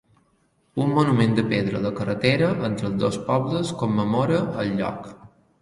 Un monument de pedra a la carretera entre els dos pobles commemora el lloc.